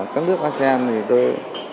các nước asean thì tôi